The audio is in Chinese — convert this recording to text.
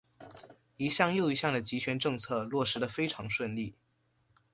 一项又一项的极权政策落实得非常顺利。